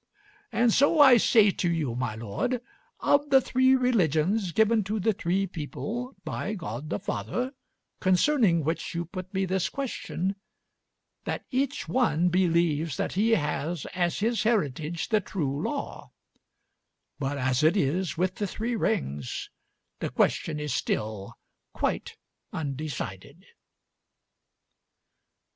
And so I say to you, my lord, of the three religions given to the three people by God the Father, concerning which you put me this question, that each one believes that he has as his heritage the true law; but as it is with the three rings, the question is still quite undecided."